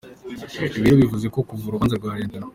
Ibi rero bivuze ko kuva urubanza rwa Lt.